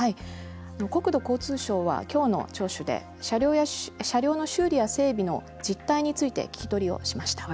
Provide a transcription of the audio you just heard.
国土交通省は今日の聴取で車両の修理や整備の実態について聞き取りをしました。